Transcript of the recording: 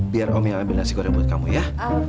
biar om yang ambil nasi goreng buat kamu ya